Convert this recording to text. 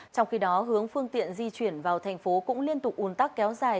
trong khi đó hướng phương tiện di chuyển vào thành phố cũng liên tục un tắc kéo dài